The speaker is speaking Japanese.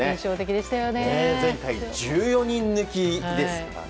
前回１４人抜きですかね。